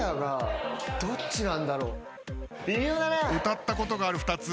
歌ったことがある２つ。